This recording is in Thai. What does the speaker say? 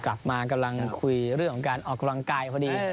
กลับมากำลังคุยเรื่องของการออกกำลังกายพอดี